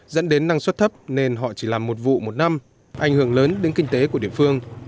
dẫn đến năng suất thấp nên họ chỉ làm một vụ một năm ảnh hưởng lớn đến kinh tế của địa phương